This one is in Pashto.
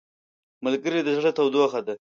ملګری د زړه تودوخه ده